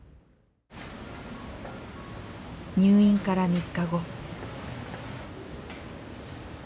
入院から３日後。